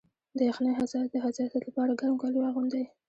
د یخنۍ د حساسیت لپاره ګرم کالي واغوندئ